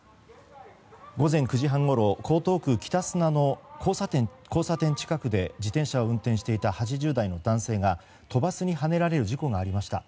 午前９時半ごろ江東区北砂の交差点近くで自転車を運転していた８０代の男性が都バスにはねられる事故がありました。